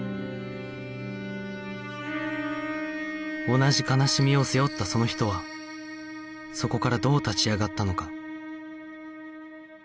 同じ悲しみを背負ったその人はそこからどう立ち上がったのか？